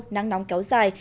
nắng nóng kéo dài